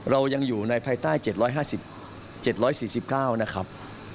เรายังอยู่ในภายใต้เจ็ดร้อยห้าสิบเจ็ดร้อยสี่สิบเก้านะครับ